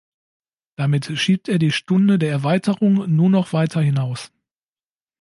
Damit schiebt er die Stunde der Erweiterung nur noch weiter hinaus.